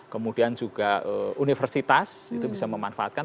kemudian juga universitas itu bisa memanfaatkan